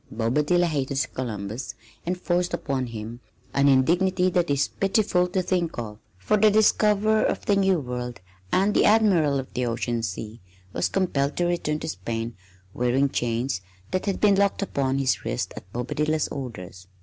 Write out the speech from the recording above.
Bobadilla hated Columbus and forced upon him an indignity that it is pitiful to think of, for the discoverer of the New World and the Admiral of the Ocean Sea was compelled to return to Spain wearing chains that had been locked upon his wrists at Bobadilla's orders.